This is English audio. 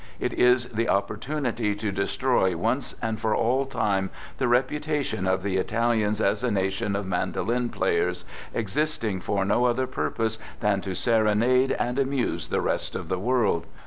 It is the opportunity to destroy once and for all time the reputation of the Italians as a nation of mandolin players, existing for no other purpose than to serenade and amuse the rest of the world.